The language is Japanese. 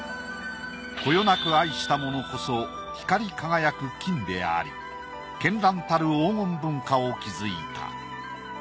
こよなく愛したものこそ光り輝く金であり絢爛たる黄金文化を築いた。